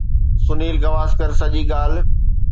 سنيل گواسڪر سڄي ڳالهه